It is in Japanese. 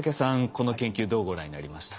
この研究どうご覧になりましたか？